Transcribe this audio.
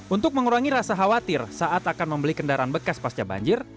untuk mengurangi rasa khawatir saat akan membeli kendaraan bekas pasca banjir